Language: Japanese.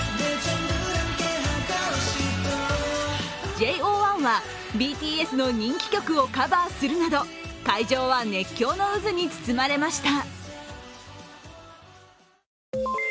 ＪＯ１はＢＴＳの人気曲をカバーするなど会場は熱狂の渦に包まれました。